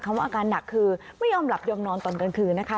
ว่าอาการหนักคือไม่ยอมหลับยอมนอนตอนกลางคืนนะคะ